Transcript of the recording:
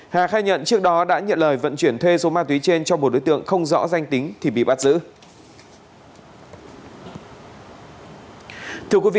hà khai nhận trước đó đã nhận lời vận chuyển thuê số ma túy trên cho một đối tượng không rõ danh tính thì bị bắt giữ